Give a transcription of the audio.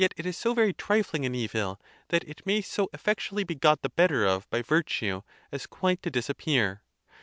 it is so very trifling an evil that it may so effectually be got the better of by virtue as quite . to disappear.